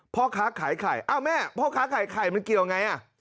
พ่อค้าขายไข่อ้าวแม่พ่อค้าไข่ไข่มันเกี่ยวไงอ่ะ